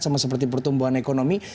sama seperti pertumbuhan ekonomi